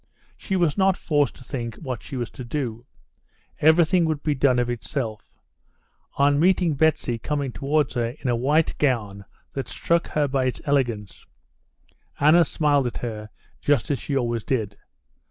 She was not forced to think what she was to do. Everything would be done of itself. On meeting Betsy coming towards her in a white gown that struck her by its elegance, Anna smiled at her just as she always did.